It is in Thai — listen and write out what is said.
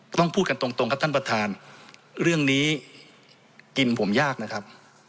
ต้องพูดกันตรงครับท่านประธานเรื่องนี้กินผมยากนะครับ